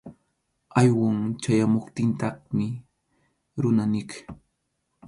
Awyun chayamuptintaqmi runa niq.